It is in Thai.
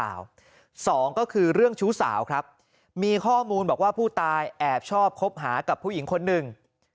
แอบชอบคบหากับผู้หญิงคนหนึ่ง